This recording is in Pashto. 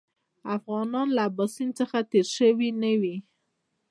افغانان له اباسین څخه تېر شوي نه وي.